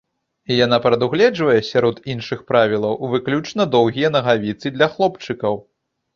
Яна прадугледжвае, сярод іншых правілаў, выключна доўгія нагавіцы для хлопчыкаў.